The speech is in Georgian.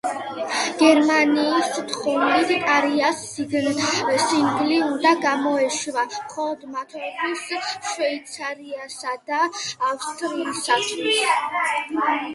გერმანიის თხოვნით, ტარიას სინგლი უნდა გამოეშვა მხოლოდ მათთვის, შვეიცარიისა და ავსტრიისათვის.